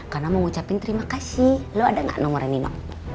karena mau ngucapin terima kasih lo ada gak nomornya nino